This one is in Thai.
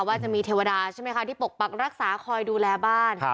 ว่าจะมีเทวดาใช่ไหมคะที่ปกปักรักษาคอยดูแลบ้าน